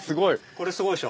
これすごいでしょ？